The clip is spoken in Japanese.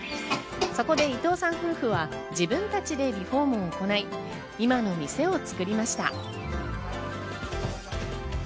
そこで伊藤さん夫婦は自分たちでリフォームを行い、今の店を作りました。